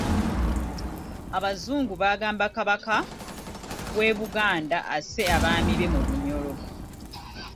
Abazungu baagamba Kabaka w'e Buganda asse abaami be mu Bunyoro.